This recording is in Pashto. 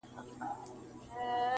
• استادان او شاگردان یې دهقانان کړل -